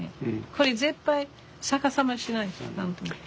これ絶対逆さましないとあかんと思って。